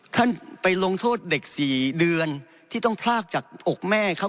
ท่านไปลงโทษเด็ก๔เดือนที่ต้องพลากจากอกแม่ครับ